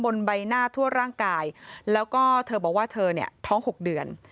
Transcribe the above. บนใบหน้าทั่วร่างกายแล้วก็เธอบอกว่าเธอเนี่ยท้อง๖เดือน